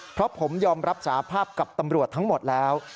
เพราะผมยอมรับสาภาพกับตำรวจทั้งหมดแล้ว